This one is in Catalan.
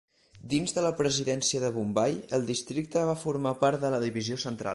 Dins de la presidència de Bombai el districte va formar part de la divisió Central.